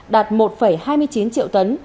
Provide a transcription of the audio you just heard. đạt một hai mươi chín triệu usd